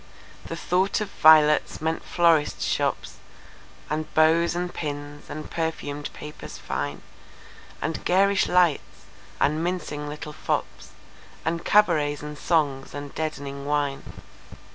The thought of violets meant florists' shops, And bows and pins, and perfumed papers fine; And garish lights, and mincing little fopsAnd cabarets and songs, and deadening wine.